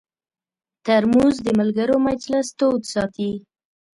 ترموز د ملګرو مجلس تود ساتي.